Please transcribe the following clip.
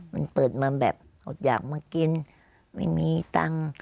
มันเปิดมาแบบอดอยากมากินไม่มีตังค์